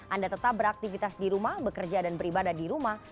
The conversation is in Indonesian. anda tetap beraktivitas di rumah bekerja dan beribadah di rumah